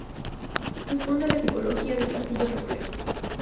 Responde a la tipología de castillo roquero.